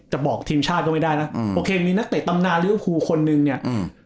จะบอกทีมชาติก็ไม่ได้นะโอเคมีนักเตะตำนานเรียวภูคนหนึ่งเนี่ย